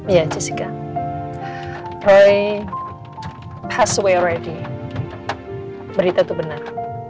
iya jessica roy pas away already berita itu benar